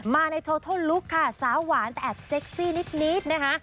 มาในโทนลุคค่ะสาวหวานแต่แอบเซ็กซี่นิดนะคะ